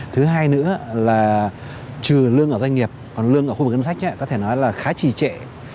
thứ hai nữa là trừ lương ở doanh nghiệp còn lương ở khu vực ngân sách có thể nói là khá trì trệ